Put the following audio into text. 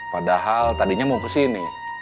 padahal tadinya mau ke sini